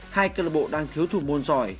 hai cơ lợi bộ đang thiếu thủ môn giỏi